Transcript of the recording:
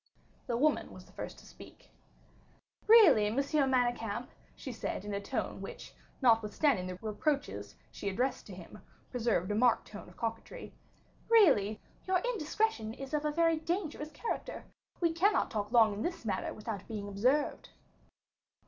The woman was the first to speak. "Really, Monsieur Manicamp," she said, in a voice which, notwithstanding the reproaches she addressed to him, preserved a marked tone of coquetry, "really your indiscretion is of a very dangerous character. We cannot talk long in this manner without being observed."